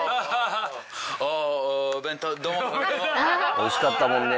おいしかったもんね